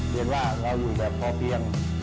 เรียนว่าเราอยู่ใดพระภิง